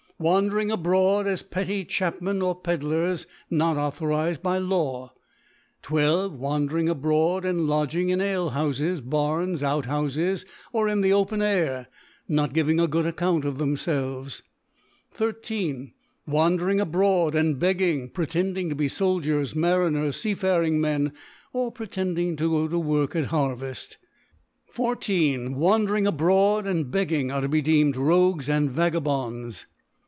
Wandering abroad as pctry Chapmen or Pedlars, not authorized by Law. 1 2. Wandering abroad and lodging in AJehoufes, Barns, Outhoufes, or in the open Air, not giving a good Ac count of thcmfelves. 13. Wandering a broad and begging, pretending to be Sol diers, Marmcrs, fcafaring Men, or pretend ing to go to work at Harveft, 14. Wan dering abroad and begging, are to be deem ed Kogues and Vagabonds.